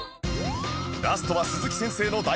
ラストは鈴木先生の大本命